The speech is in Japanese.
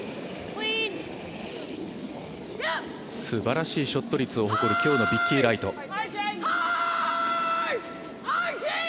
すばらしいショット率を誇る今日のビッキー・ライト。